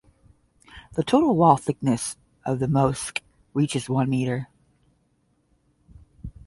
The total wall thickness of the mosque reaches one meter.